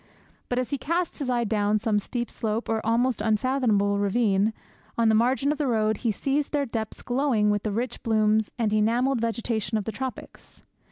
But as he casts his eye down some steep slope, or almost unfathomable ravine, on the margin of the road, he sees their depths glowing with the rich blooms and enamelled vegetation of the tropics.